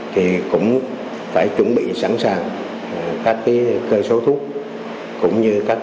thì cũng phải chủng